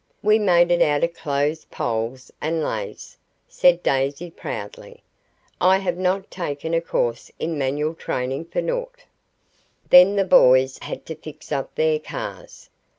"We made it out of clothes poles and laths," said Daisy proudly. "I have not taken a course in manual training for naught." Then the boys had to fix up their cars.